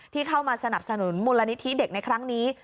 เข้ามาสนับสนุนมูลนิธิเด็กในครั้งนี้